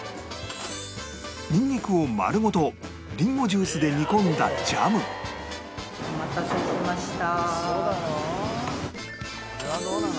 ニンニクを丸ごとりんごジュースで煮込んだジャムお待たせしました。